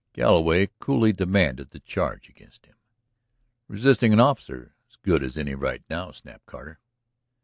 Galloway coolly demanded the charge against him. "Resisting an officer is as good as any right now," snapped Cutter.